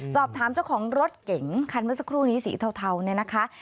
สอบถามเจ้าของรถเก๋งคันเมิ่สเกรือนี้ซี่เทานะคะ